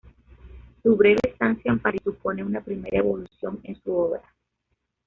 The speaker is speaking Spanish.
Su breve estancia en París supone una primera evolución en su obra.